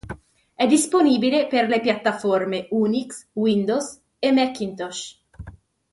È disponibile per le piattaforme Unix, Windows, e Macintosh.